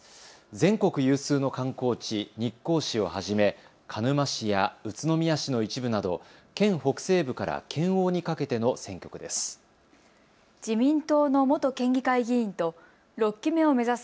全国有数の観光地、日光市をはじめ鹿沼市や宇都宮市の一部など県北西部から県央にかけての選挙区です。